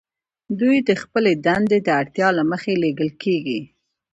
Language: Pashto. دوی د خپلې دندې د اړتیا له مخې لیږل کیږي